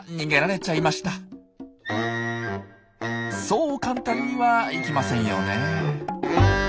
そう簡単にはいきませんよね。